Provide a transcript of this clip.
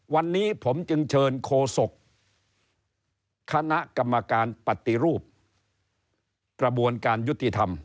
วันนี้ผมจึงเชิญโคศกคณะกรรมการปฏิรูปกระบวนการยุติธรรม